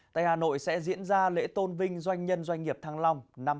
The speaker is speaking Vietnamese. tây hà nội sẽ diễn ra lễ tôn vinh doanh nhân doanh nghiệp thăng long năm hai nghìn hai mươi bốn